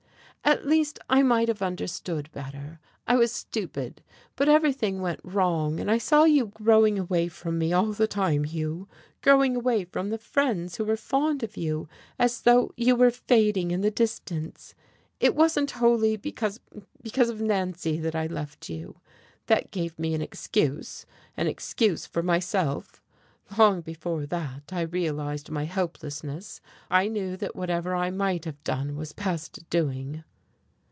"At least I might have understood better. I was stupid. But everything went wrong. And I saw you growing away from me all the time, Hugh, growing away from the friends who were fond of you, as though you were fading in the distance. It wasn't wholly because because of Nancy that I left you. That gave me an excuse an excuse for myself. Long before that I realized my helplessness, I knew that whatever I might have done was past doing."